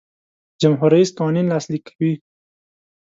جمهور رئیس قوانین لاسلیک کوي.